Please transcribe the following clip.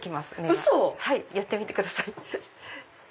ウソ⁉やってみてください。